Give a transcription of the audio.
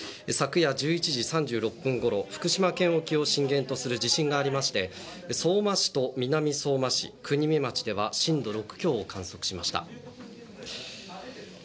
昨夜１１時３６分ごろ福島県沖を震源とする地震がありまして相馬市と南相馬市国見町では震度６強を観測しました。